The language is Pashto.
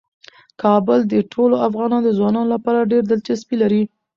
کابل د ټولو افغان ځوانانو لپاره ډیره دلچسپي لري.